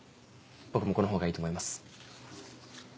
僕もこのほうがいいと思います。